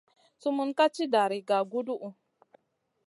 Sumun ka tì dari gaguduhu.